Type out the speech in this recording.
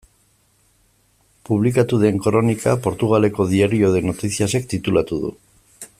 Publikatu den kronika Portugaleko Diario de Noticias-ek titulatu du.